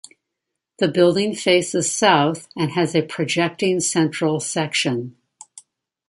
The building faces south, and has a projecting central section.